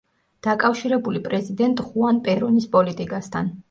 დაკავშირებული პრეზიდენტ ხუან პერონის პოლიტიკასთან.